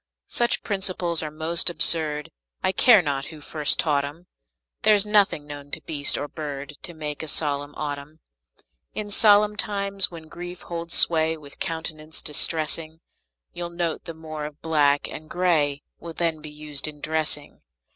Such principles are most absurd, I care not who first taught 'em; There's nothing known to beast or bird To make a solemn autumn. In solemn times, when grief holds sway With countenance distressing, You'll note the more of black and gray Will then be used in dressing.